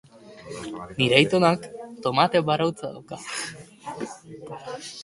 Oraindik ez dago argi.